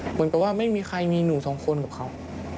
เพราะว่าไม่มีใครมีหนู๒คนกับเขา